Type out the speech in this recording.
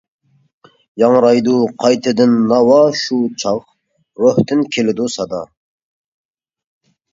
ياڭرايدۇ قايتىدىن ناۋا شۇ چاغ روھتىن كېلىدۇ سادا!